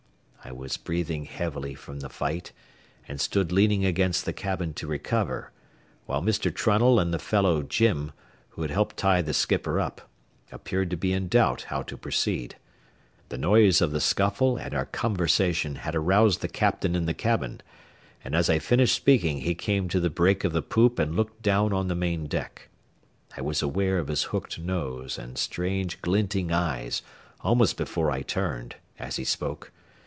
I was breathing heavily from the fight, and stood leaning against the cabin to recover, while Mr. Trunnell and the fellow Jim, who had helped tie the skipper up, appeared to be in doubt how to proceed. The noise of the scuffle and our conversation had aroused the captain in the cabin, and as I finished speaking he came to the break of the poop and looked down on the main deck. I was aware of his hooked nose and strange, glinting eyes almost before I turned, as he spoke.